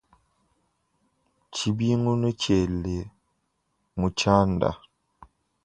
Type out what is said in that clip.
Tshibingu ne tshdila mu tshianda.